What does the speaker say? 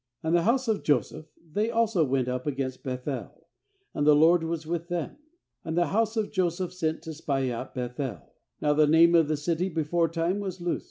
^And the house of Joseph, they also went up against Beth el; and the LORD was with them. ^And the house of Joseph sent to spy out Beth el — now the name of the city before time was Luz.